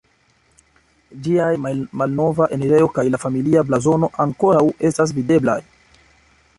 Ĝiaj malnova enirejo kaj la familia blazono ankoraŭ estas videblaj.